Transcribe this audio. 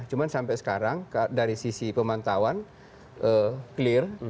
cuma sampai sekarang dari sisi pemantauan clear